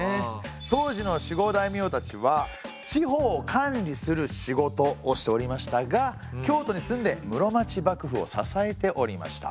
当時の守護大名たちは地方を管理する仕事をしておりましたが京都に住んで室町幕府を支えておりました。